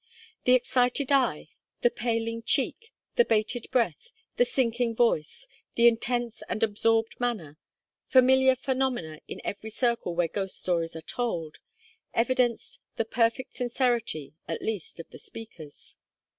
The excited eye, the paling cheek, the bated breath, the sinking voice, the intense and absorbed manner familiar phenomena in every circle where ghost stories are told evidenced the perfect sincerity, at least, of the speakers.